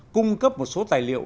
cung cấp một số tài liệu